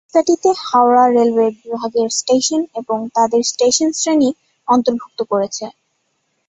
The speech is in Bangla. তালিকাটিতে হাওড়া রেলওয়ে বিভাগের স্টেশন এবং তাদের স্টেশন শ্রেণী অন্তর্ভুক্ত করেছে।